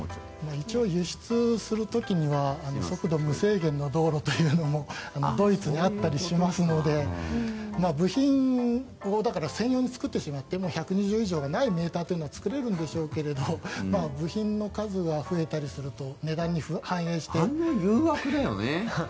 一応、輸出する時には速度無制限の道路というのもドイツにあったりしますので部品を専用に作ってしまって１２０ｋｍ以上がないメーターというのを作れるんでしょうけど部品の数が増えたりするとあんなの誘惑だよね。